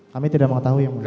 kami tidak mau tahu ya muridnya